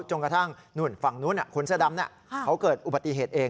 กระทั่งนู่นฝั่งนู้นคนเสื้อดำเขาเกิดอุบัติเหตุเอง